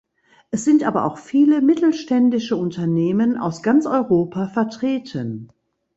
Es sind aber auch viele mittelständische Unternehmen aus ganz Europa vertreten.